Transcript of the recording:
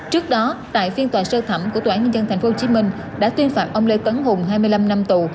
trước đó tại phiên tòa sơ thẩm của tòa án nhân dân tp hcm đã tuyên phạt ông lê tấn hùng hai mươi năm năm tù